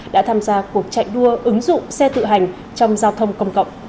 đã tham gia cuộc chạy đua ứng dụng xe tự hành trong giao thông công cộng